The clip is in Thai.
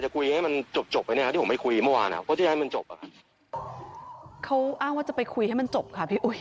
เขาอ้างว่าจะไปคุยให้มันจบค่ะพี่อุ้ย